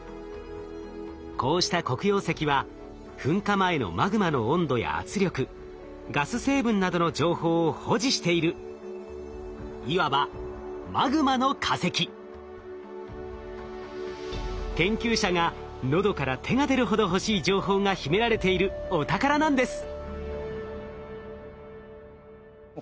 こうした黒曜石は噴火前のマグマの温度や圧力ガス成分などの情報を保持しているいわば研究者が喉から手が出るほど欲しい情報が秘められているお宝なんです。